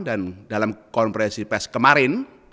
dan dalam konferensi pes kemarin